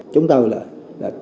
chúng ta là